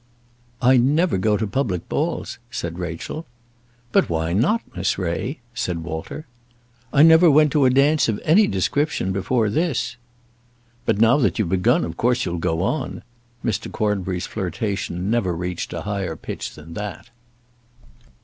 "I never go to public balls," said Rachel. "But why not, Miss Ray?" said Walter. "I never went to a dance of any description before this." "But now that you've begun of course you'll go on." Mr. Cornbury's flirtation never reached a higher pitch than that.